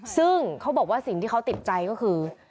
ซึ่งเขาบอกว่าสิ่งที่เขาติดใจก็คือ